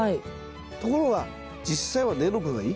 ところが実際は根の部分は生きてる。